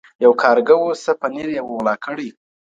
یو کارګه وو څه پنیر یې وو غلا کړی.